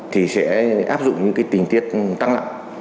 thì sẽ áp dụng những tình tiết tái phạm